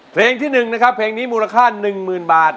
เพลงที่หนึ่งนะครับเพลงนี้มูลค่าหนึ่งหมื่นบาท